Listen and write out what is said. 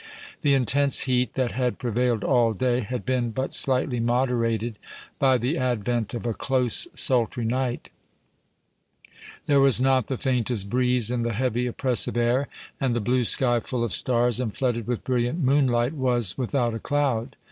The intense heat that had prevailed all day had been but slightly moderated by the advent of a close, sultry night; there was not the faintest breeze in the heavy, oppressive air, and the blue sky, full of stars and flooded with brilliant moonlight, was without a cloud.